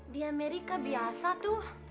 di amerika biasa tuh